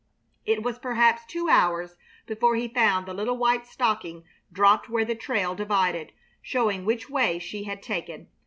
It was perhaps two hours before he found the little white stocking dropped where the trail divided, showing which way she had taken.